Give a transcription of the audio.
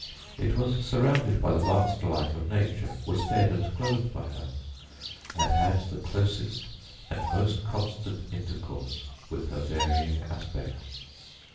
It was surrounded by the vast life of nature, was fed and clothed by her, and had the closest and most constant intercourse with her varying aspects.